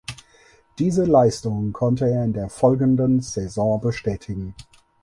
Diese Leistungen konnte er in der folgenden Saison bestätigen.